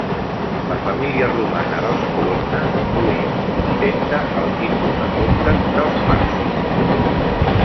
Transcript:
La família romana dels Colonna duia i ostenta el títol de comtes dels marsis.